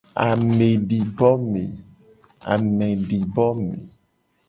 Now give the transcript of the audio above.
Amedibome.